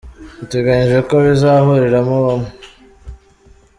Biteganyijwe ko bizahuriramo bamwe.